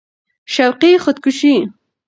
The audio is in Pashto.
شوقي خود کشي